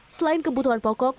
selain kebutuhan pokok